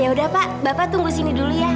ya udah pak bapak tunggu sini dulu ya